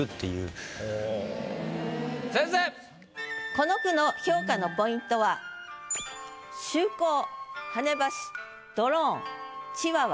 この句の評価のポイントは「秋光」「跳ね橋」「ドローン」「チワワ」